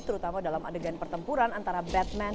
terutama dalam adegan pertempuran antara batman